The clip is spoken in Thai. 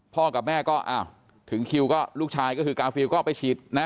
กับแม่ก็อ้าวถึงคิวก็ลูกชายก็คือกาฟิลก็ไปฉีดนะ